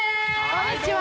こんにちは！